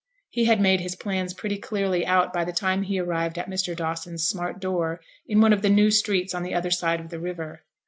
He had made his plans pretty clearly out by the time he arrived at Mr. Dawson's smart door in one of the new streets on the other side of the river.